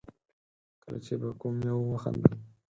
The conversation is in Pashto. کله چې به کوم يوه وخندل.